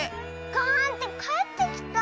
「ガーン！」ってかえってきた。